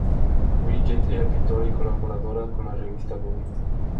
Bridget era pintora y colaboraba con la revista "Vogue".